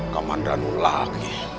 kaman danu lagi